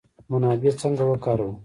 منابع څنګه وکاروو؟